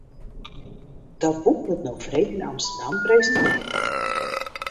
Dat boek wurdt no freed yn Amsterdam presintearre.